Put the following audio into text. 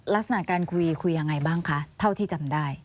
ลักษณะการคุยคุยยังไงบ้างคะเท่าที่จำได้